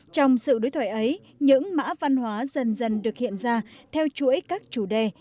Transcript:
trong sự đối thoại ấy những mã văn hóa dần dần được hiện ra theo chuỗi các chủ đề